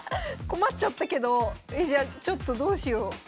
困っちゃったけどえじゃあちょっとどうしよう。